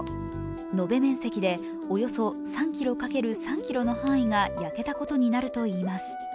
延べ面積でおよそ３ｋｍ×３ｋｍの範囲が焼けたことになるといいます。